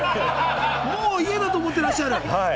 もう家だと思っていらっしゃる。